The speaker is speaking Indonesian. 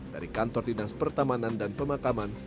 dari kantor dinas pertamanan dan pemakaman